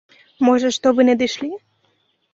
Можа, што вы надышлі?